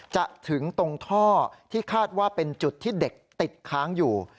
จะถึงตรงท่อที่คาดว่าเป็นจุดที่เด็กติดค้างอยู่